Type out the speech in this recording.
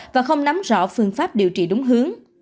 và không nắm rõ phương pháp điều trị đúng hướng